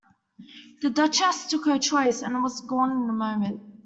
The Duchess took her choice, and was gone in a moment.